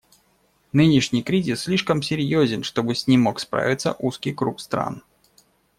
Нынешний кризис слишком серьезен, чтобы с ним мог справиться узкий круг стран.